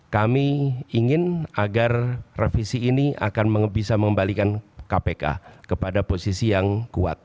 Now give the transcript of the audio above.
kami ingin agar revisi ini akan bisa mengembalikan kpk kepada posisi yang kuat